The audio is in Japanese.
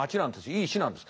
いい市なんです。